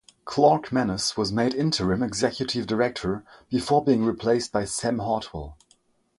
Clark Manus was made interim Executive Director before being replaced by Sam Hartwell.